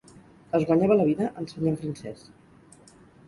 Es guanyava la vida ensenyant francès.